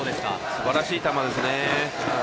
すばらしい球ですね。